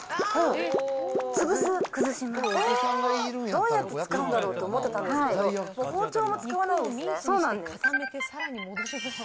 どうやって作るんだろう？と思ってたんですけど、包丁も使わないそうなんです。